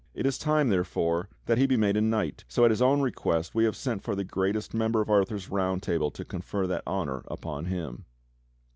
It is time, therefore, that he be made a knight, so at his own request we have sent for the greatest member of Arthur's Round Table to confer that honor upon him."